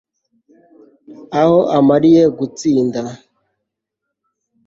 aho amariye gutsinda